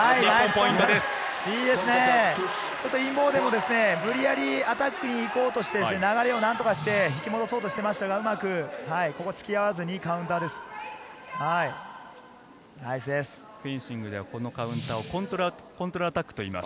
インボーデンも無理矢理、アタックに行こうとして流れを何とかして引き戻そうとしていましたが、うまく突き合わずにカウンターです。